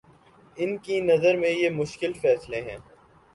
ان کی نظر میں یہ مشکل فیصلے ہیں؟